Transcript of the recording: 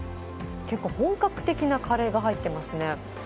結構本格的なカレーが入ってますね